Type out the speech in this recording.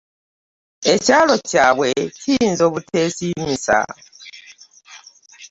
Ekyalo kyabwe kiyinza obutesimisa .